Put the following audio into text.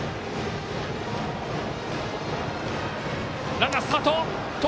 ランナー、スタート。